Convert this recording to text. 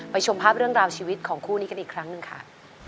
ชมภาพเรื่องราวชีวิตของคู่นี้กันอีกครั้งหนึ่งค่ะ